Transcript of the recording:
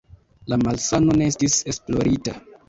La malsano ne estis esplorita.